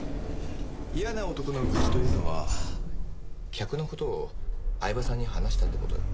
嫌な男の愚痴というのは客の事を饗庭さんに話したって事？